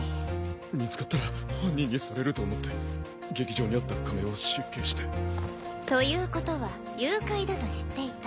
見つかったら犯人にされると思って劇場にあった仮面を失敬して。ということは誘拐だと知っていた。